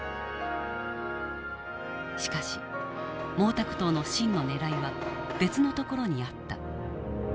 しかし毛沢東の真のねらいは別のところにあった。